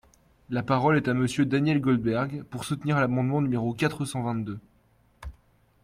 La parole est à Monsieur Daniel Goldberg, pour soutenir l’amendement numéro quatre cent vingt-deux.